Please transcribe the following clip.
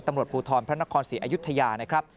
ตำรวจภูทรพระนครศรีอยุธยานะครับ